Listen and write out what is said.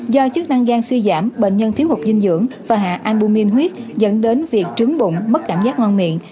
do chức năng gan suy giảm bệnh nhân thiếu hụt dinh dưỡng và hạ albumin huyết dẫn đến việc trứng bụng mất cảm giác hoang miệng